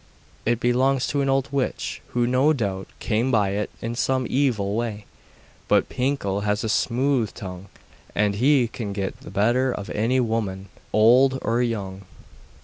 'It belongs to an old witch, who no doubt came by it in some evil way. But Pinkel has a smooth tongue, and he can get the better of any woman, old or young.